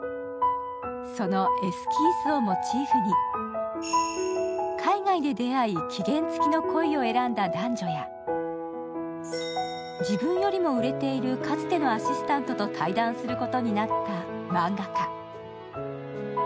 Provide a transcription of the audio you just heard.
そのエスキースをモチーフに海外で出会い、期限付きの恋を選んだ男女や自分よりも売れているかつてのアシスタントと対談することになった漫画家。